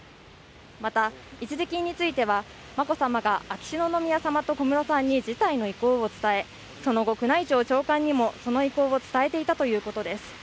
また、一時金については眞子さまが秋篠宮さまと小室さんに辞退の意向を伝え、その後、宮内庁長官にもその意向を伝えていたということです。